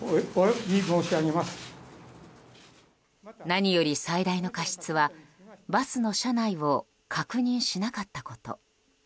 何より最大の過失はバスの車内を確認しなかったこと。